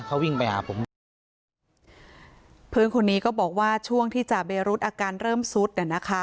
เขาวิ่งไปหาผมก่อนเพื่อนคนนี้ก็บอกว่าช่วงที่จ่าเบรุษอาการเริ่มซุดอ่ะนะคะ